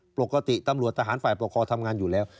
ปกติตำรวจทหารฝ่ายปกครองทำงานอยู่แล้ว